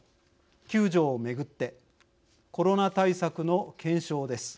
９条をめぐってコロナ対策の検証です。